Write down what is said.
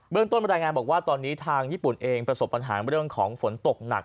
ต้นบรรยายงานบอกว่าตอนนี้ทางญี่ปุ่นเองประสบปัญหาเรื่องของฝนตกหนัก